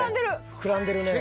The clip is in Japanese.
膨らんでるね。